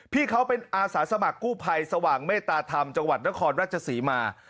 พี่เขาเป็นอาสาสมัครกู้ภัยสว่างเมตตาธรรมจังหวัดนครราชศรีมา